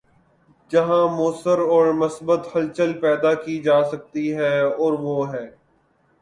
جہاں مؤثر اور مثبت ہلچل پیدا کی جا سکتی ہے‘ اور وہ ہے۔